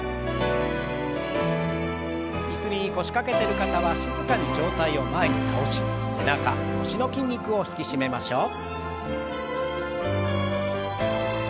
椅子に腰掛けてる方は静かに上体を前に倒し背中腰の筋肉を引き締めましょう。